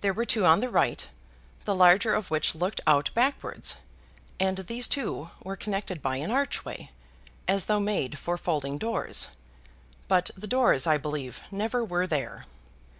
There were two on the right, the larger of which looked out backwards, and these two were connected by an archway, as though made for folding doors; but the doors, I believe, never were there.